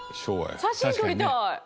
写真撮りたい。